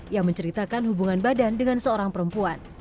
yang menceritakan hubungan badan dengan seorang perempuan